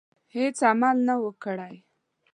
هیڅ عمل نه وو کړی.